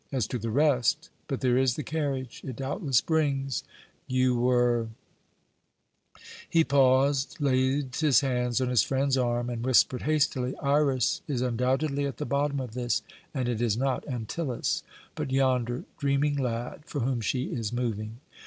As to the rest But there is the carriage It doubtless brings You were " He paused, laid his hand on his friend's arm, and whispered hastily: "Iras is undoubtedly at the bottom of this, and it is not Antyllus, but yonder dreaming lad, for whom she is moving.